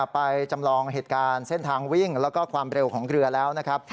ไปจำลองเหตุการณ์เส้นทางวิ่งแล้วก็ความเร็วของเรือแล้วนะครับ